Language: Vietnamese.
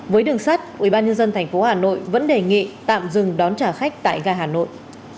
với đường sắt ubnd tp hà nội vẫn đề nghị tạm dừng đón trả khách tại gà hà nội